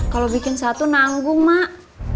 kalau bikin satu nanggung mak